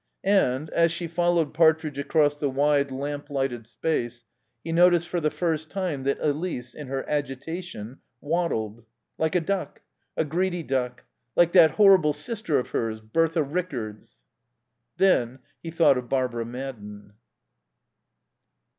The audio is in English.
And, as she followed Partridge across the wide lamp lighted space, he noticed for the first time that Elise, in her agitation, waddled. Like a duck a greedy duck. Like that horrible sister of hers, Bertha Rickards. Then he thought of Barbara Madden.